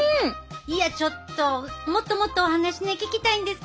いやちょっともっともっとお話ね聞きたいんですけどね